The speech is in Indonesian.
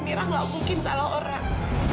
mira gak mungkin salah orang